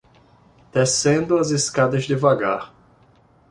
descendo as escadas devagar